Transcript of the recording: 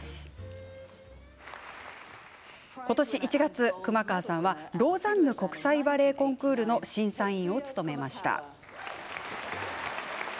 今年１月、熊川さんはローザンヌ国際バレエコンクールの審査員を務めました。